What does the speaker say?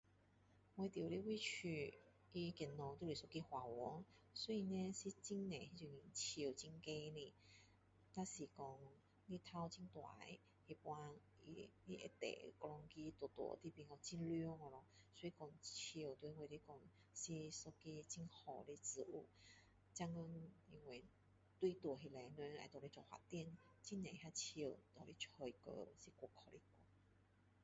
我住的位子，它旁边就是一个花园，所以呢有很多那种树很高的，那是说，阳光很大，那时，它会遮整个路路就变成很凉咯。所以说，树对我来说是一个很好的植物。现在因为大路外面，人要拿来做发展，很多的树拿来砍丢掉，是很可惜的。